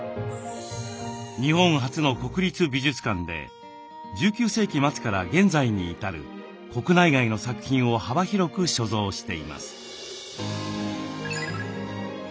日本初の国立美術館で１９世紀末から現在に至る国内外の作品を幅広く所蔵しています。